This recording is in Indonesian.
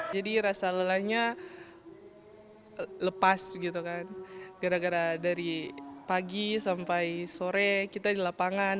jadi rasa lelahnya lepas gitu kan gara gara dari pagi sampai sore kita di lapangan